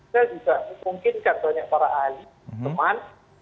saya juga memungkinkan banyak para ahli teman